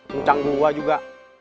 mucang gua juga